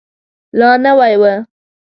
لا نوی و.